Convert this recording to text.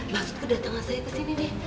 maksudnya datang aja saya kesini nih